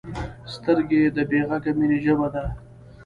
سترګې د بې غږه مینې ژبه ده